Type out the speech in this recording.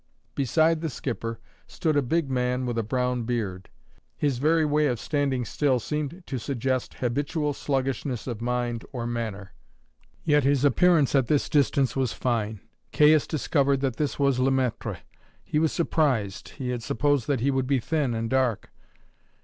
Beside the skipper stood a big man with a brown beard; his very way of standing still seemed to suggest habitual sluggishness of mind or manner; yet his appearance at this distance was fine. Caius discovered that this was Le Maître; he was surprised, he had supposed that he would be thin and dark.